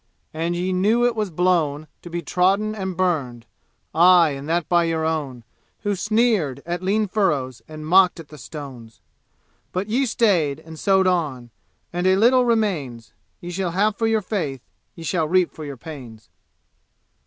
And ye know it was blown To be trodden and burned aye, and that by your own Who sneered at lean furrows and mocked at the stones. But ye stayed and sowed on. And a little remains. Ye shall have for your faith. Ye shall reap for your pains.